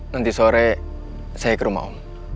nanti sore saya ke rumah om